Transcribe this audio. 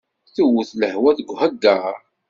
Tewwet lehwa deg ahagar?